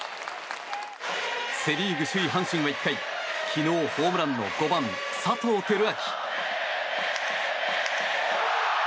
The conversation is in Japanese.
セ・リーグ首位阪神は１回昨日、ホームランの５番、佐藤輝明。